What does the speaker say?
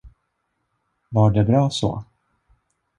Var det bra så?